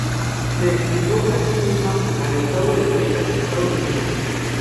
Se exilió a sí misma al estado de Texas en Estados Unidos.